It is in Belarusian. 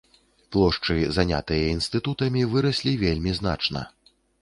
Плошчы, занятыя інстытутамі, выраслі вельмі значна.